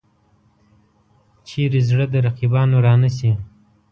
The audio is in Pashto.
چېرته زړه د رقیبانو را نه شي.